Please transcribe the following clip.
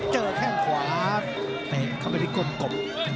เจอแข้งขวาเตะเข้าไปที่กลมกลม